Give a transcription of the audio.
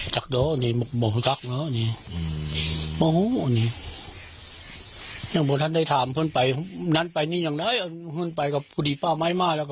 จั๊กโดอันนี้เยี่ยมกลงบ่ฟุปัก